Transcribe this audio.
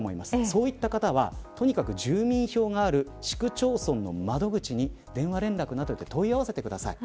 そういう方は住民票がある市区町村の窓口で電話連絡などで問い合わせてください。